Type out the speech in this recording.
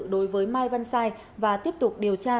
đối với mai văn sai và tiếp tục điều tra